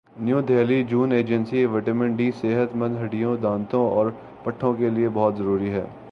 نئی Delhi June agency vitamin D صحت مند ہڈیوں دانتوں اور پٹھوں کے لئے بہت ضروری ہے